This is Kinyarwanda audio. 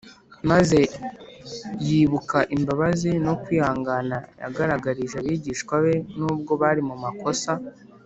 maze yibuka imbabazi no kwihangana yagaragarije abigishwa be nubwo bari mu makosa